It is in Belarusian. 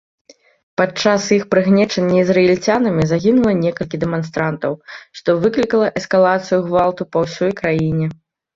Падчас іх прыгнечання ізраільцянамі загінула некалькі дэманстрантаў, што выклікала эскалацыю гвалту па ўсёй краіне.